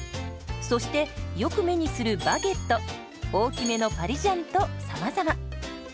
そしてよく目にするバゲット大きめのパリジャンとさまざま。